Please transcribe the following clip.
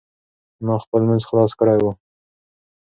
انا خپل لمونځ خلاص کړی و.